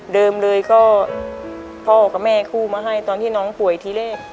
เลยก็พ่อกับแม่กู้มาให้ตอนที่น้องป่วยทีแรก